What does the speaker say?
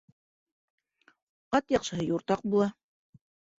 Ат яҡшыһы юртаҡ була